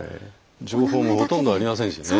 情報もほとんどありませんしね。